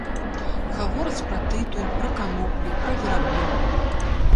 Гавораць пра тытунь, пра каноплі, пра вераб'ёў.